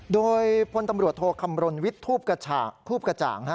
โดยพลตำรวจโทรคำรลวิทธูปกระจ่าง